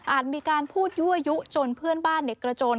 มีการพูดยั่วยุจนเพื่อนบ้านกระโจน